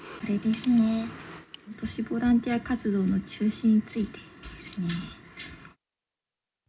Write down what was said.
都市ボランティア活動の中止についてですね。